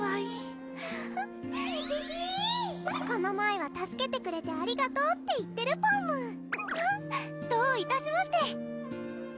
この前は助けてくれてありがとうって言ってるパムどういたしまして！